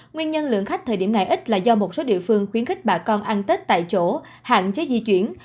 nguyên nhân lượng khách thời điểm này ít là do một số địa phương khuyến khích bà con ăn tết tại chỗ hạn chế di chuyển